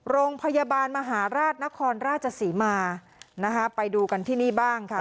โรงพยาบาลมหาราชนครราชศรีมานะคะไปดูกันที่นี่บ้างค่ะ